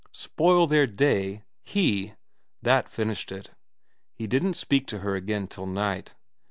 Spoil their day ? He ? That finished it. He didn't speak to her again till night.